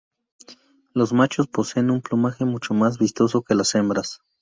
Los machos poseen un plumaje mucho más vistoso que las hembras.